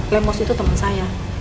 lemus itu teman saya